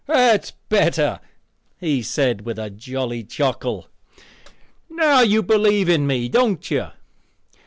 "That's better," he said with a jolly chuckle; "now you do believe in me, don't you?